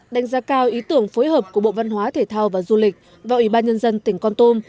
đánh giá cao ý tưởng phối hợp của bộ văn hóa thể thao và du lịch và ủy ban nhân dân tỉnh con tum